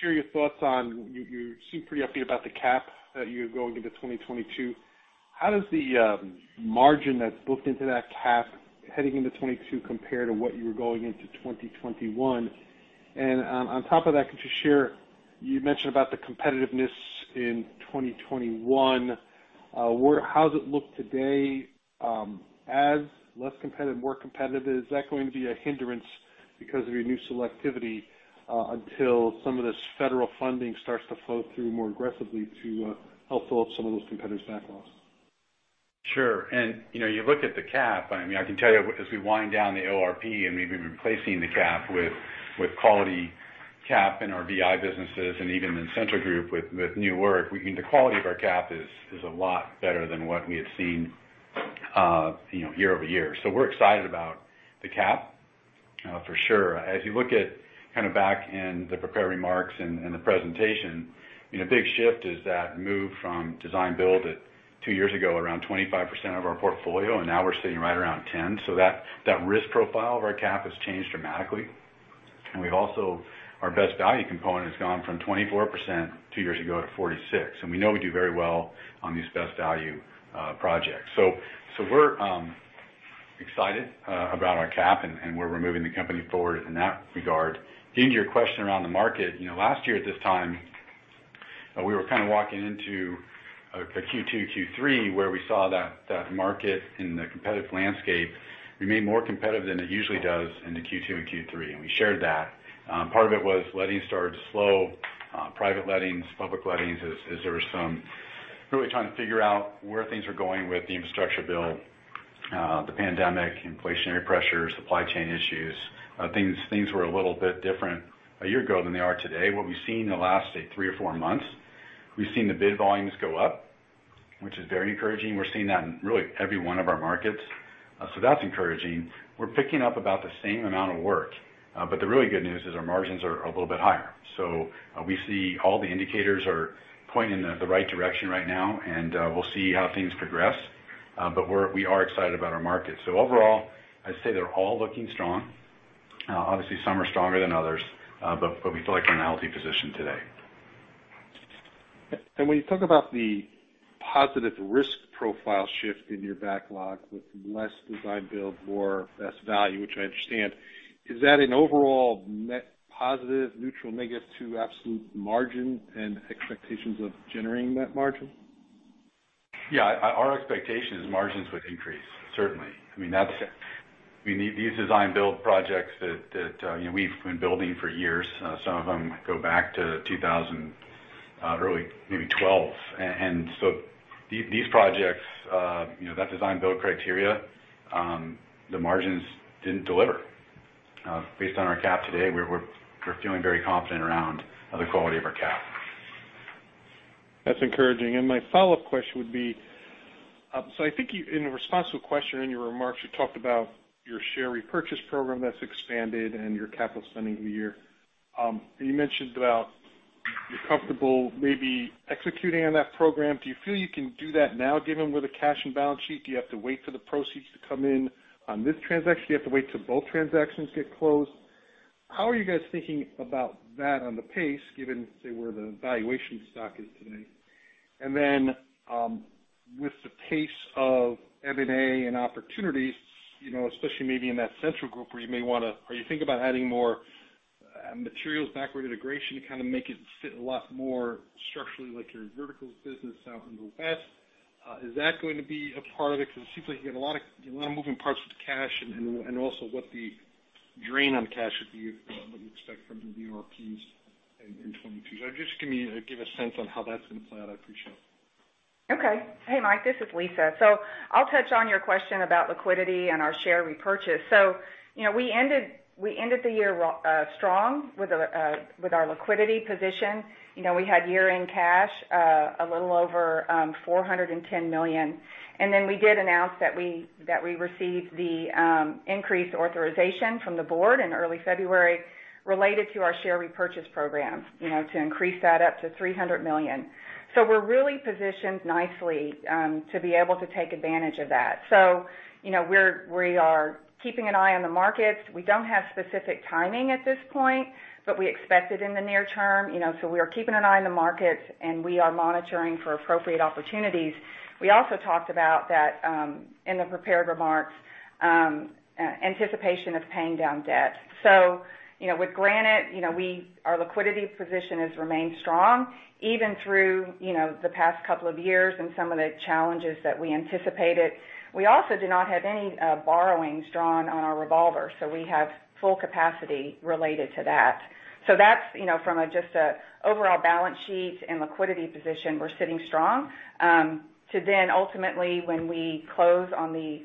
share your thoughts on you seem pretty upbeat about the CAP that you're going into 2022. How does the margin that's booked into that CAP heading into 2022 compare to what you were going into 2021? And on top of that, could you share you mentioned about the competitiveness in 2021. How does it look today as less competitive, more competitive? Is that going to be a hindrance because of your new selectivity until some of this federal funding starts to flow through more aggressively to help fill up some of those competitors' backlogs? Sure. And you look at the CAP, I mean, I can tell you as we wind down the ORP and maybe replacing the CAP with quality CAP in our VI businesses and even in Central Group with new work, the quality of our CAP is a lot better than what we had seen year-over-year. So we're excited about the CAP, for sure. As you look at kind of back in the prepared remarks and the presentation, a big shift is that move from Design-Build two years ago around 25% of our portfolio, and now we're sitting right around 10%. So that risk profile of our CAP has changed dramatically. And we've also our Best-Value component has gone from 24% two years ago to 46%. And we know we do very well on these Best-Value projects. So we're excited about our CAP, and we're moving the company forward in that regard. Getting to your question around the market, last year at this time, we were kind of walking into a Q2, Q3 where we saw that market in the competitive landscape remain more competitive than it usually does in the Q2 and Q3. And we shared that. Part of it was lettings started to slow, private lettings, public lettings as there was some really trying to figure out where things were going with the infrastructure bill, the pandemic, inflationary pressures, supply chain issues. Things were a little bit different a year ago than they are today. What we've seen in the last three or four months, we've seen the bid volumes go up, which is very encouraging. We're seeing that in really every one of our markets. So that's encouraging. We're picking up about the same amount of work, but the really good news is our margins are a little bit higher. So we see all the indicators are pointing in the right direction right now, and we'll see how things progress, but we are excited about our market. So overall, I'd say they're all looking strong. Obviously, some are stronger than others, but we feel like we're in a healthy position today. And when you talk about the positive risk profile shift in your backlog with less Design-Build, more Best-Value, which I understand, is that an overall net positive, neutral, negative to absolute margin and expectations of generating that margin? Yeah. Our expectation is margins would increase, certainly. I mean, these Design-Build projects that we've been building for years, some of them go back to 2000, early maybe 2012. And so these projects, that Design-Build criteria, the margins didn't deliver. Based on our CAP today, we're feeling very confident around the quality of our CAP. That's encouraging. And my follow-up question would be, so I think in response to a question in your remarks, you talked about your share repurchase program that's expanded and your capital spending of the year. You mentioned about you're comfortable maybe executing on that program. Do you feel you can do that now given where the cash and balance sheet? Do you have to wait for the proceeds to come in on this transaction? Do you have to wait till both transactions get closed? How are you guys thinking about that on the pace given where the valuation stock is today? And then with the pace of M&A and opportunities, especially maybe in that Central Group where you may want to, are you thinking about adding more materials backward integration to kind of make it fit a lot more structurally like your vertical business out in the West? Is that going to be a part of it? Because it seems like you got a lot of moving parts with cash and also what the drain on cash would be, what you expect from the ORP in 2022. So just give me a sense on how that's going to play out. I appreciate it. Okay. Hey, Mike, this is Lisa. So I'll touch on your question about liquidity and our share repurchase. So we ended the year strong with our liquidity position. We had year-end cash a little over $410 million. Then we did announce that we received the increased authorization from the board in early February related to our share repurchase program to increase that up to $300 million. We're really positioned nicely to be able to take advantage of that. We are keeping an eye on the markets. We don't have specific timing at this point, but we expect it in the near term. We are keeping an eye on the markets, and we are monitoring for appropriate opportunities. We also talked about that in the prepared remarks, anticipation of paying down debt. With Granite, our liquidity position has remained strong even through the past couple of years and some of the challenges that we anticipated. We also do not have any borrowings drawn on our revolver, so we have full capacity related to that. So that's from just an overall balance sheet and liquidity position, we're sitting strong. To then ultimately, when we close on the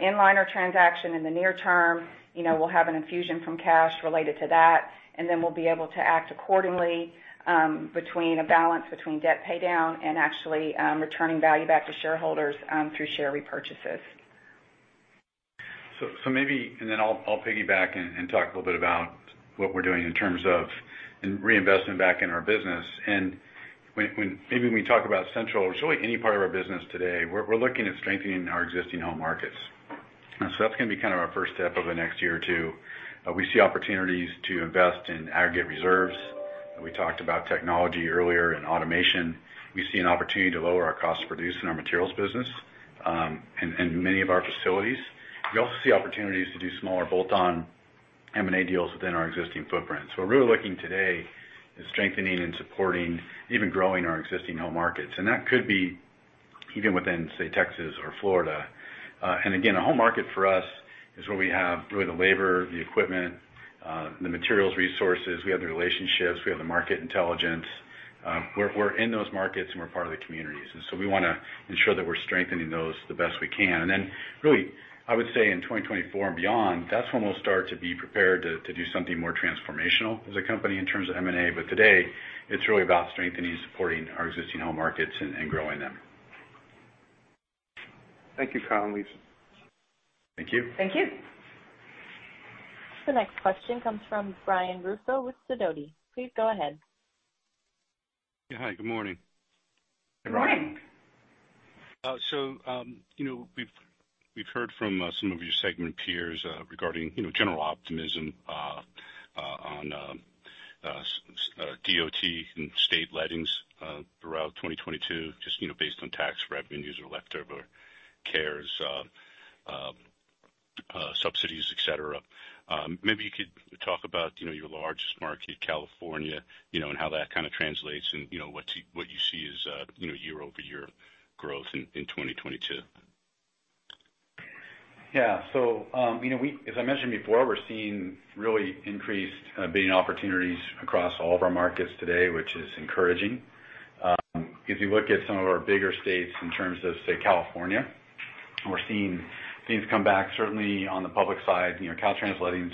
Inliner transaction in the near term, we'll have an infusion from cash related to that, and then we'll be able to act accordingly between a balance between debt paydown and actually returning value back to shareholders through share repurchases. So maybe, and then I'll piggyback and talk a little bit about what we're doing in terms of reinvestment back in our business. And maybe when we talk about Central, it's really any part of our business today, we're looking at strengthening our existing home markets. So that's going to be kind of our first step over the next year or two. We see opportunities to invest in aggregate reserves. We talked about technology earlier and automation. We see an opportunity to lower our cost of producing our materials business and many of our facilities. We also see opportunities to do smaller bolt-on M&A deals within our existing footprints. We're really looking today at strengthening and supporting, even growing our existing home markets. That could be even within, say, Texas or Florida. Again, a home market for us is where we have really the labor, the equipment, the materials resources. We have the relationships. We have the market intelligence. We're in those markets, and we're part of the communities. So we want to ensure that we're strengthening those the best we can. Then really, I would say in 2024 and beyond, that's when we'll start to be prepared to do something more transformational as a company in terms of M&A. But today, it's really about strengthening and supporting our existing home markets and growing them. Thank you, Kyle and Lisa. Thank you. Thank you. The next question comes from Brian Russo with Sidoti. Please go ahead. Hi. Good morning. Good morning. So we've heard from some of your segment peers regarding general optimism on DOT and state lettings throughout 2022, just based on tax revenues or leftover CARES, subsidies, etc. Maybe you could talk about your largest market, California, and how that kind of translates and what you see as year-over-year growth in 2022. Yeah. So as I mentioned before, we're seeing really increased bidding opportunities across all of our markets today, which is encouraging. If you look at some of our bigger states in terms of, say, California, we're seeing things come back. Certainly on the public side, Caltrans lettings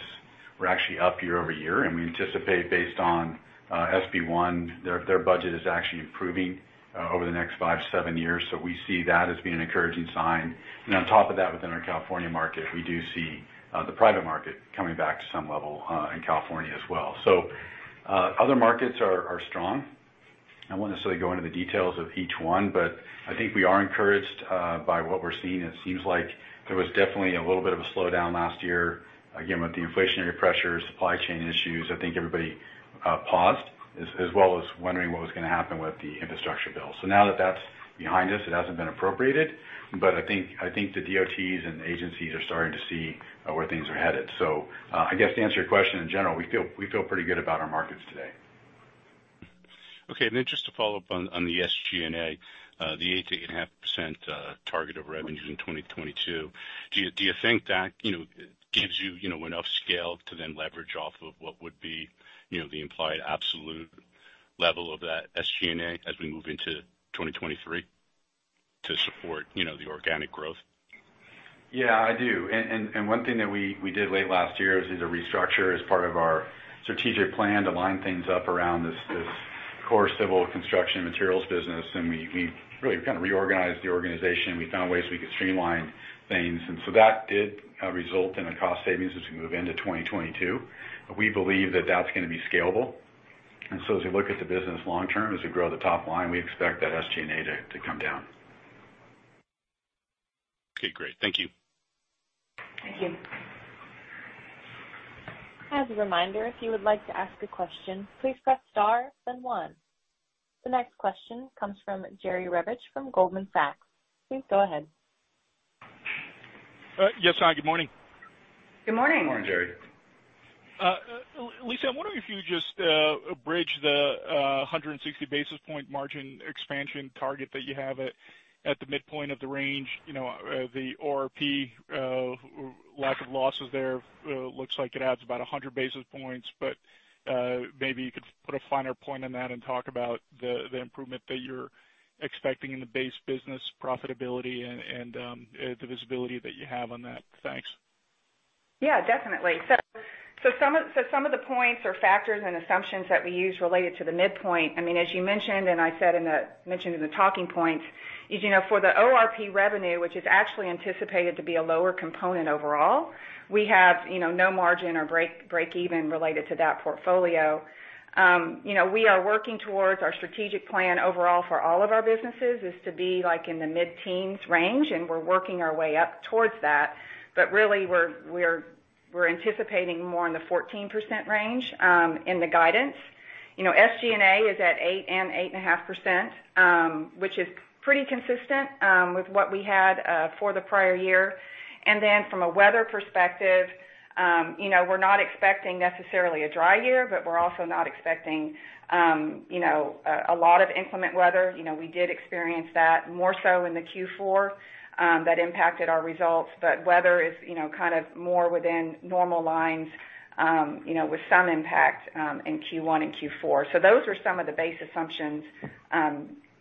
were actually up year-over-year, and we anticipate based on SB1, their budget is actually improving over the next 5-7 years. So we see that as being an encouraging sign. And on top of that, within our California market, we do see the private market coming back to some level in California as well. So other markets are strong. I won't necessarily go into the details of each one, but I think we are encouraged by what we're seeing. It seems like there was definitely a little bit of a slowdown last year, again, with the inflationary pressures, supply chain issues. I think everybody paused as well as wondering what was going to happen with the infrastructure bill. So now that that's behind us, it hasn't been appropriated, but I think the DOTs and agencies are starting to see where things are headed. So I guess to answer your question in general, we feel pretty good about our markets today. Okay. And then just to follow up on the SG&A, the 8%-8.5% target of revenues in 2022, do you think that gives you enough scale to then leverage off of what would be the implied absolute level of that SG&A as we move into 2023 to support the organic growth? Yeah, I do. And one thing that we did late last year is we did a restructure as part of our strategic plan to line things up around this core civil construction materials business. And we really kind of reorganized the organization. We found ways we could streamline things. And so that did result in a cost savings as we move into 2022. But we believe that that's going to be scalable. And so as we look at the business long-term, as we grow the top line, we expect that SG&A to come down. Okay. Great. Thank you. Thank you. As a reminder, if you would like to ask a question, please press star, then one. The next question comes from Jerry Revich from Goldman Sachs. Please go ahead. Yes, hi. Good morning. Good morning. Good morning, Jerry. Lisa, I'm wondering if you just abridged the 160 basis points margin expansion target that you have at the midpoint of the range. The ORP lack of losses there looks like it adds about 100 basis points, but maybe you could put a finer point on that and talk about the improvement that you're expecting in the base business profitability and the visibility that you have on that. Thanks. Yeah, definitely. So some of the points or factors and assumptions that we use related to the midpoint, I mean, as you mentioned and I said in the talking points, for the ORP revenue, which is actually anticipated to be a lower component overall, we have no margin or break-even related to that portfolio. We are working towards our strategic plan overall for all of our businesses is to be in the mid-teens range, and we're working our way up towards that. But really, we're anticipating more in the 14% range in the guidance. SG&A is at 8%-8.5%, which is pretty consistent with what we had for the prior year. And then from a weather perspective, we're not expecting necessarily a dry year, but we're also not expecting a lot of inclement weather. We did experience that more so in the Q4 that impacted our results, but weather is kind of more within normal lines with some impact in Q1 and Q4. So those were some of the base assumptions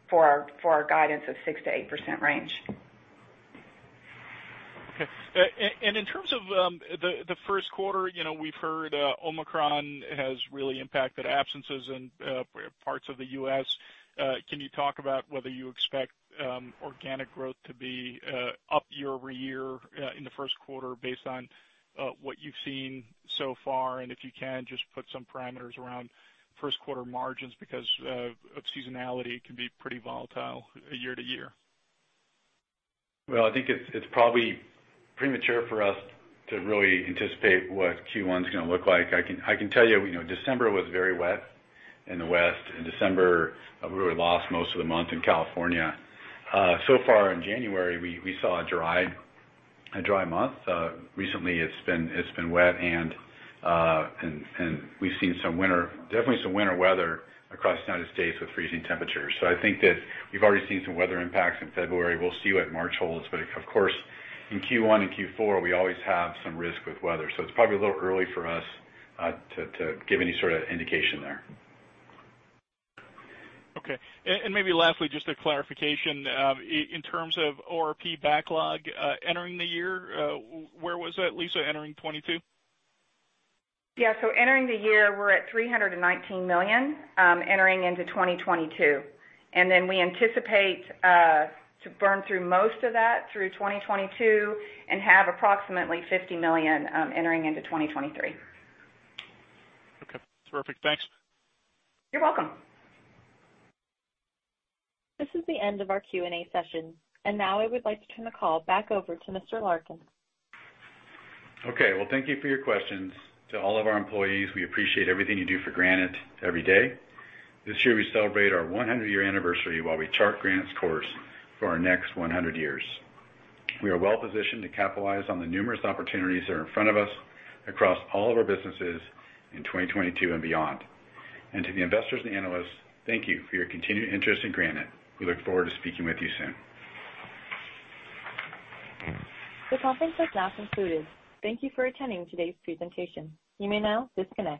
for our guidance of 6%-8% range. Okay. And in terms of the first quarter, we've heard Omicron has really impacted absences in parts of the U.S. Can you talk about whether you expect organic growth to be up year-over-year in the first quarter based on what you've seen so far? If you can, just put some parameters around first quarter margins because of seasonality can be pretty volatile year to year. Well, I think it's probably premature for us to really anticipate what Q1 is going to look like. I can tell you December was very wet in the West, and December we really lost most of the month in California. So far in January, we saw a dry month. Recently, it's been wet, and we've seen definitely some winter weather across the United States with freezing temperatures. So I think that we've already seen some weather impacts in February. We'll see what March holds. But of course, in Q1 and Q4, we always have some risk with weather. So it's probably a little early for us to give any sort of indication there. Okay. Maybe lastly, just a clarification in terms of ORP backlog entering the year, where was that, Lisa, entering 2022? Yeah. So entering the year, we're at $319 million entering into 2022. And then we anticipate to burn through most of that through 2022 and have approximately $50 million entering into 2023. Okay. Terrific. Thanks. You're welcome. This is the end of our Q&A session. And now I would like to turn the call back over to Mr. Larkin. Okay. Well, thank you for your questions. To all of our employees, we appreciate everything you do for Granite every day. This year, we celebrate our 100-year anniversary while we chart Granite's course for our next 100 years. We are well positioned to capitalize on the numerous opportunities that are in front of us across all of our businesses in 2022 and beyond. To the investors and analysts, thank you for your continued interest in Granite. We look forward to speaking with you soon. The conference has now concluded. Thank you for attending today's presentation. You may now disconnect.